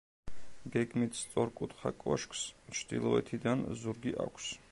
გეგმით სწორკუთხა კოშკს, ჩრდილოეთიდან ზურგი აქვს.